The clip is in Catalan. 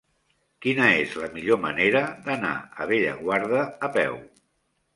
Quina és la millor manera d'anar a Bellaguarda a peu?